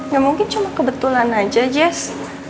gak mungkin cuma kebetulan aja jess